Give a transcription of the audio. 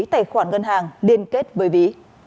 tài khoản ngân hàng liên kết với ví